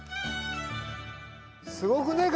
すごくねぇか？